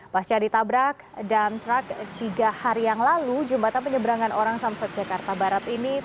pasca ditabrak dump truck tiga hari yang lalu jembatan penyeberangan orang samsat jakarta barat ini